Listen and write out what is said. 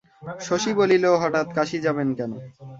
শশী বলিল, হঠাৎ কাশী যাবেন কেন?